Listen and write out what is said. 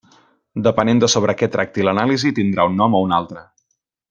Depenent de sobre que tracti l'anàlisi, tindrà un nom o un altre.